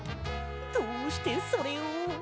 どうしてそれを？